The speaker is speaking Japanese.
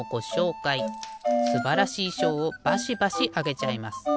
すばらしいしょうをバシバシあげちゃいます。